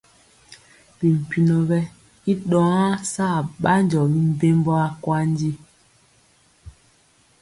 Bimpinɔ wɛ i ɗɔŋa saa ɓanjɔ bimbembɔ akwandi.